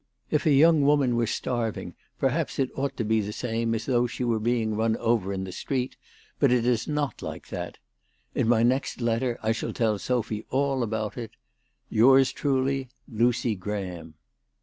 If a young woman were starving perhaps THE TELEGRAPH GIRL. 303 it ought to be the same as though, she were being run over in the street, but it is not like that. In my next letter I shall tell Sophy all about it. " Yours truly, "Lucy GRAHAM."